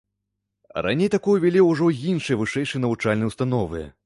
Раней такое ўвялі ўжо іншыя вышэйшыя навучальныя ўстановы.